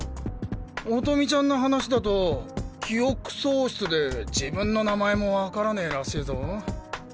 音美ちゃんの話だと記憶喪失で自分の名前もわからねえらしいぞ。